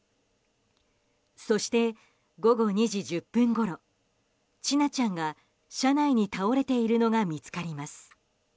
そして午後２時１０分ごろ千奈ちゃんが車内に倒れているのが見つかります。